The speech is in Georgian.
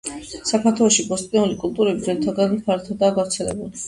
საქართველოში ბოსტნეული კულტურები ძველთაგანვე ფართოდაა გავრცელებული.